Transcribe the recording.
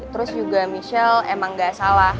terus juga michelle emang gak salah